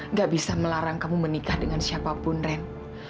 nggak bisa melarang kamu menikah dengan siapapun ren